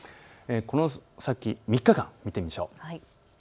この先３日間、見ていきましょう。